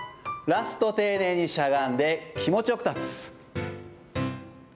ラスト、丁寧にしゃがんで気持ちよく立つ。